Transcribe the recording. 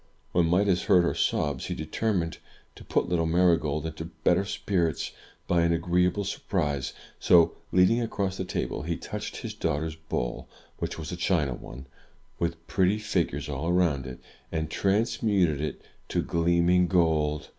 When Midas heard her sobs, he determined to put little Marygold into better spirits, by an agreeable sur prise; so, leaning across the table, he touched his daughter's bowl (which was a china one, with pretty figures all around it), and transmuted it to gleaming gold.